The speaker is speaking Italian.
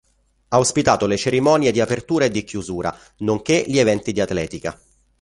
Ha ospitato le cerimonie di apertura e di chiusura, nonché gli eventi di atletica.